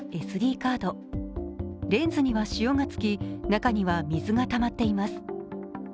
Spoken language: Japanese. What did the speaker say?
カードレンズには塩がつき中には水がたまっています。